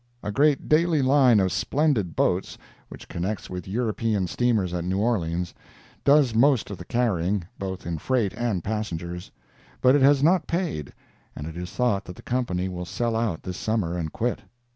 A great daily line of splendid boats, which connects with European steamers at New Orleans, does most of the carrying, both in freight and passengers, but it has not paid, and it is thought that the company will sell out this summer and quit.